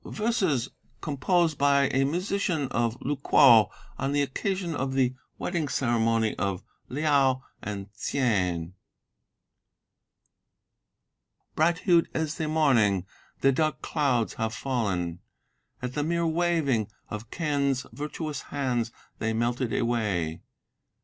"VERSES COMPOSED BY A MUSICIAN OF LU KWO, ON THE OCCASION OF THE WEDDING CEREMONY OF LIAO AND TS'AIN "Bright hued is the morning, the dark clouds have fallen; At the mere waving of Quen's virtuous hands they melted away.